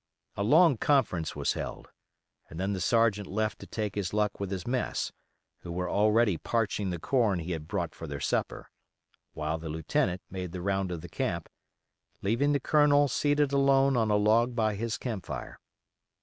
A long conference was held, and then the sergeant left to take his luck with his mess, who were already parching the corn he had brought for their supper, while the lieutenant made the round of the camp; leaving the Colonel seated alone on a log by his camp fire.